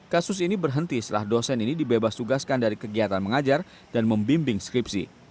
kasus ini berhenti setelah dosen ini dibebas tugaskan dari kegiatan mengajar dan membimbing skripsi